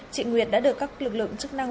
chị nguyệt đã được các lực lượng chức năng